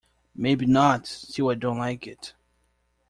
Maybe not; still I don't like it.